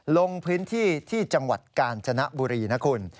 ลงพื้นที่ที่จังหวัดกาญจนบุรีนะคุณ